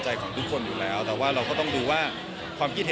คุณแม่น้องให้โอกาสดาราคนในผมไปเจอคุณแม่น้องให้โอกาสดาราคนในผมไปเจอ